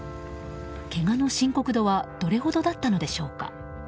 けがの深刻度はどれほどだったのでしょうか。